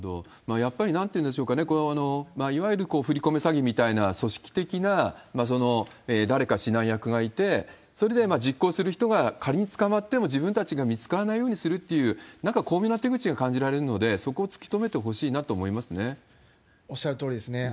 やっぱりなんというんでしょうか、いわゆる振り込め詐欺みたいな、組織的な誰か指南役がいて、それで実行する人が仮に捕まっても自分たちが見つからないようにするという、なんか巧妙な手口が感じられるので、そこを突きとめてほしいなとおっしゃるとおりですね。